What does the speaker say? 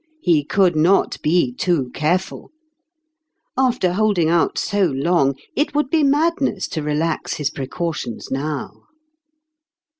He could not be too careful. After holding out so long, it would be mad ness to relax his precautions now.